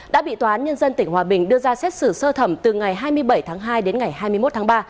đã bị tòa án nhân dân tỉnh hòa bình đưa ra xét xử sơ thẩm từ ngày hai mươi bảy tháng hai đến ngày hai mươi một tháng ba